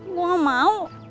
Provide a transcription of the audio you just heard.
gue gak mau